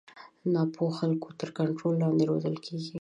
د نا پوه خلکو تر کنټرول لاندې روزل کېږي.